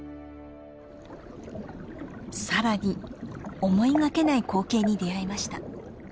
さらに思いがけない光景に出会いました。